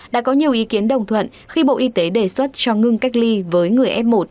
đã có nhiều ý kiến đồng thuận khi bộ y tế đề xuất cho ngưng cách ly với người f một